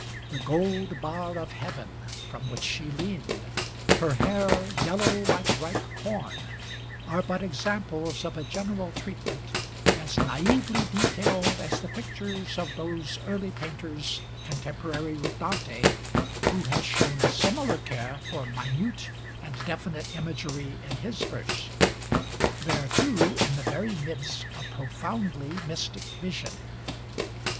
The gold bar of heaven from which she leaned, her hair yellow like ripe corn, are but examples of a general treatment, as naively detailed as the pictures of those early painters contemporary with Dante, who has shown a similar care for minute and definite imagery in his verse; there, too, in the very midst of profoundly mystic vision.